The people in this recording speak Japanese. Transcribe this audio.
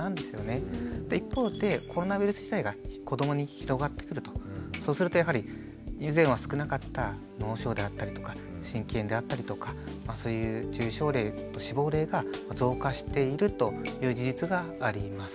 一方でコロナウイルス自体が子どもに広がってくるとそうするとやはり以前は少なかった脳症であったりとか心筋炎であったりとかそういう重症例と死亡例が増加しているという事実があります。